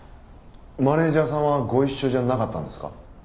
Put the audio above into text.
マネジャーさんはご一緒じゃなかったんですか？